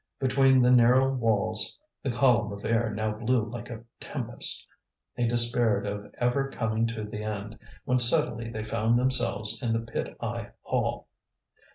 Between the narrow walls the column of air now blew like a tempest. He despaired of ever coming to the end, when suddenly they found themselves in the pit eye hall.